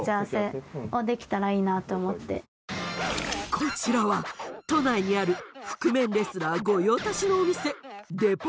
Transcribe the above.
こちらは都内にある覆面レスラー御用達のお店デポマート。